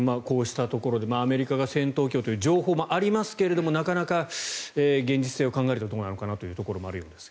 こうしたところでアメリカが戦闘機供与という情報もありますがなかなか現実性を考えるところなのかなという。